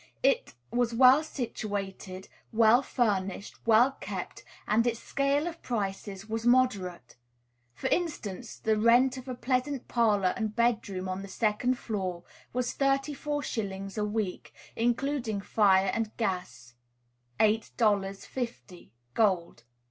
It was well situated, well furnished, well kept, and its scale of prices was moderate. For instance, the rent of a pleasant parlor and bedroom on the second floor was thirty four shillings a week, including fire and gas, $8.50, gold.